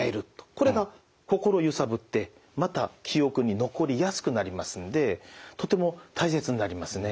これが心をゆさぶってまた記憶に残りやすくなりますんでとても大切になりますね。